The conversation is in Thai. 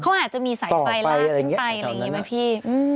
เขาอาจจะมีสายไฟลากขึ้นไปอะไรอย่างนี้ไหมพี่